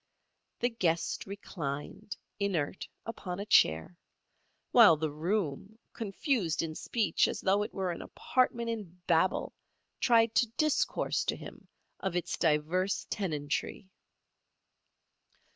The guest reclined, inert, upon a chair, while the room, confused in speech as though it were an apartment in Babel, tried to discourse to him of its divers tenantry.